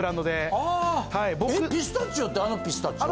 えっピスタチオってあのピスタチオ？